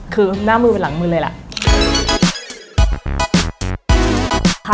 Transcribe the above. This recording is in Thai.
คือหน้ามือไปหลังมือเลยแหละ